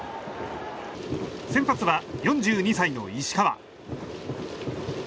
先発は４２歳の石川。